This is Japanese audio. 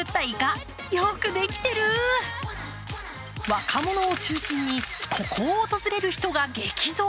若者を中心に、ここを訪れる人が激増。